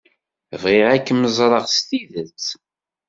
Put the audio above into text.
Bɣiɣ ad kem-ẓreɣ s tidet.